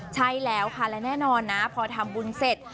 ใช่แล้วค่ะและแน่นอนนะพอทำบุญเสร็จ